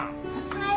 はい！